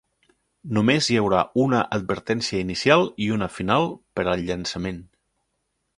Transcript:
Només hi haurà una advertència inicial i una final per al llançament.